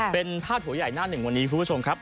เป็นพาดหัวใหญ่หน้าหนึ่งวันนี้คุณผู้ชมครับ